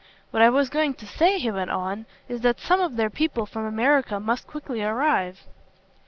What I was going to say," he went on, "is that some of their people from America must quickly arrive."